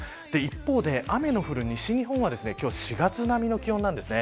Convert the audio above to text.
一方で、雨の降る西日本は今日は４月並みの気温なんですね。